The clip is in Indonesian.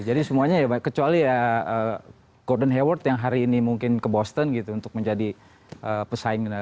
jadi semuanya ya kecuali ya gordon hayward yang hari ini mungkin ke boston gitu untuk menjadi pesaing